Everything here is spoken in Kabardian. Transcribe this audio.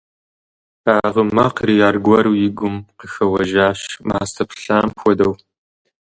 А гъы макъри аргуэру и гум къыхэуэжащ мастэ плъам хуэдэу.